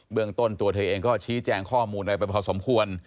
เรื่องต้นตัวเธอเองก็ชี้แจงข้อมูลอะไรไปพอสมควร